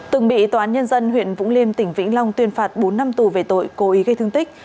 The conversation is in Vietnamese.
từng bị tòa án nhân dân huyện vũng liêm tỉnh vĩnh long tuyên phạt bốn năm tù về tội cố ý gây thương tích